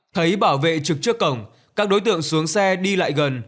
thấy bảo vệ trực trước cổng các đối tượng xuống xe đi lại gần